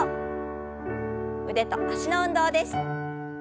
腕と脚の運動です。